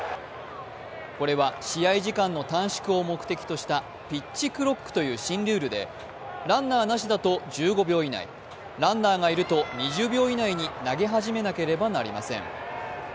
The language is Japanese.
これは試合時間の短縮を目的としたピッチクロックという新ルールで、ランナーなしだと１５秒以内ランナーがいると２０秒以内に投げ始めなければなりません。